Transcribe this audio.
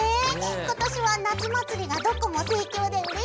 今年は夏祭りがどこも盛況でうれしいね。